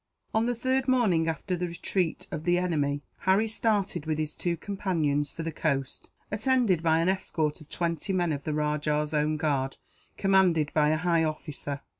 On the third morning after the retreat of the enemy Harry started, with his two companions, for the coast; attended by an escort of twenty men of the rajah's own guard, commanded by a high officer.